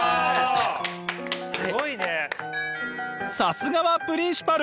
さすがはプリンシパル！